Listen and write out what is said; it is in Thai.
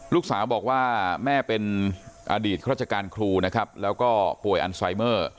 ลูกสาวบอกว่าแม่เป็นอดีตราชการครูนะครับแล้วก็ป่วยอันไซเมอร์